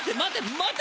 待て！